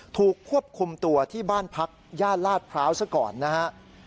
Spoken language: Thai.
ถูกควบคุมตัวที่บ้านพักย่านลาดพร้าวซะก่อนนะครับ